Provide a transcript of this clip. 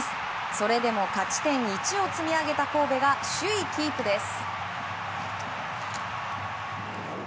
それでも勝ち点１を積み上げた神戸が首位キープです。